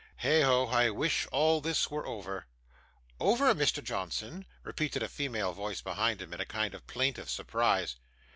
'Heigho! I wish all this were over.' 'Over, Mr. Johnson!' repeated a female voice behind him, in a kind of plaintive surprise.